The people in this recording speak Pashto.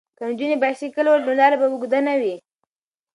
که نجونې بایسکل ولري نو لاره به اوږده نه وي.